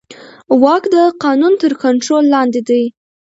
واک د قانون تر کنټرول لاندې دی.